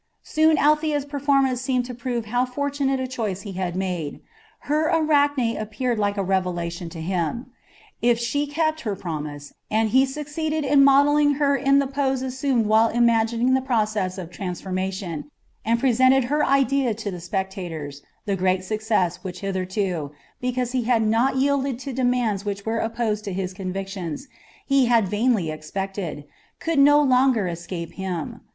Soon Althea's performance seemed to prove how fortunate a choice he had made. Her Arachne appeared like a revelation to him. If she kept her promise, and he succeeded in modelling her in the pose assumed while imagining the process of transformation, and presented her idea to the spectators, the great success which hitherto because he had not yielded to demands which were opposed to his convictions he had vainly expected, could no longer escape him.